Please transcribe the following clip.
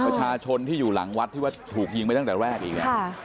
ประชาชนที่อยู่หลังวัดที่ว่าถูกยิงไปตั้งแต่แรกอีกเนี่ย